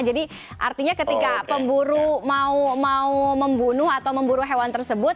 jadi artinya ketika pemburu mau membunuh atau memburu hewan tersebut